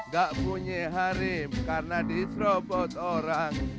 gak punya harim karena diserobot orang